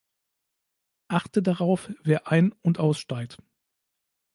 Achte darauf, wer ein- und aussteigt.